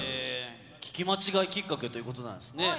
聞き間違いきっかけということなんですね。